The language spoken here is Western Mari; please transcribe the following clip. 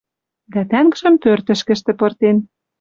Дӓ тӓнгжӹм пӧртӹшкӹштӹ пыртен